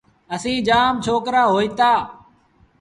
اسيٚݩ جآم ڇوڪرآ هوئيٚتآ۔